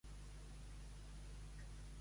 Com obtindria molts ingressos?